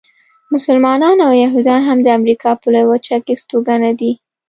مسلمانان او یهودیان هم د امریکا په لویه وچه کې استوګنه دي.